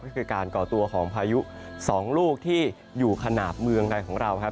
ก็คือการก่อตัวของพายุ๒ลูกที่อยู่ขนาดเมืองในของเราครับ